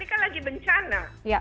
ini kan lagi bencana